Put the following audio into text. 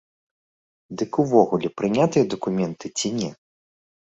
Дык увогуле прынятыя дакументы ці не?